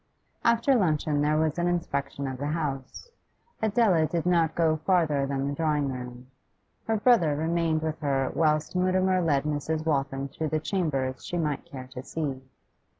After luncheon there was an inspection of the house. Adela did not go farther than the drawing room; her brother remained with her whilst Mutimer led Mrs. Waltham through the chambers she might care to see.